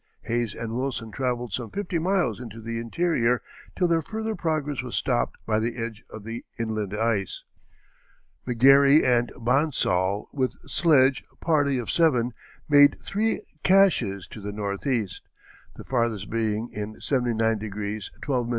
Hayes and Wilson travelled some fifty miles into the interior till their further progress was stopped by the edge of the inland ice. McGary and Bonsall, with sledge party of seven, made three caches to the northeast, the farthest being in 79° 12´ N.